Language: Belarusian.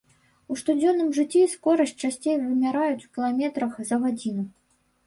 У штодзённым жыцці скорасць часцей вымяраюць у кіламетрах за гадзіну.